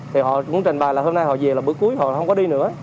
thì họ cũng trình bài là hôm nay họ về là bữa cuối họ không có đi nữa